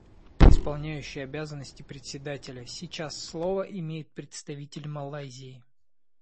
Исполняющий обязанности Председателя: Сейчас слово имеет представитель Малайзии.